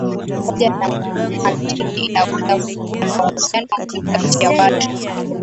hoja na mantiki inaweza kuwa na uhusiano mzuri kati ya watu